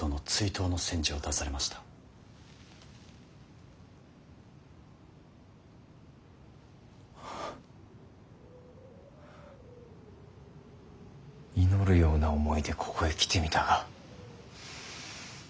祈るような思いでここへ来てみたが無駄だったか。